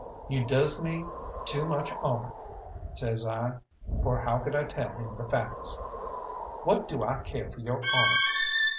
"You does me too much honour," says I, for how could I tell him the facts? "What do I care for your honour?"